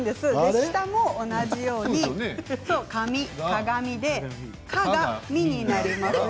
下も同じように「かみ」「かがみ」で「か」が「み」になりますね。